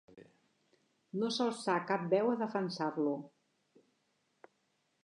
No s'alçà cap veu a defensar-lo.